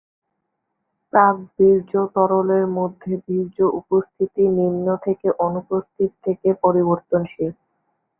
প্রাক-বীর্য তরলের মধ্যে বীর্য উপস্থিতি নিম্ন থেকে অনুপস্থিত থেকে পরিবর্তনশীল।